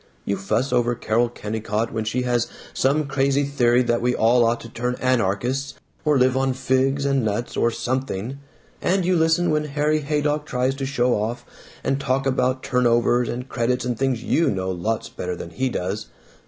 You fuss over Carol Kennicott when she has some crazy theory that we all ought to turn anarchists or live on figs and nuts or something. And you listen when Harry Haydock tries to show off and talk about turnovers and credits and things you know lots better than he does.